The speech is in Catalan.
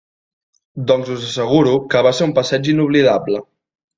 Doncs us asseguro que va ser un passeig inoblidable.